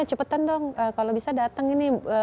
cepetan dong kalau bisa datang ini